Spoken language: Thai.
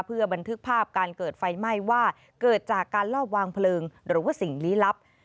เพื่อบันทึกภาพการเกิดไฟไหม้ว่าเกิดจากการลอบวางเพลิงหรือว่าสิ่งลี้ลับ